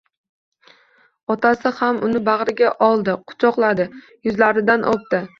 Otasi ham uni bag'riga oldi, kuchoqladi, yuzlaridan o'pdi.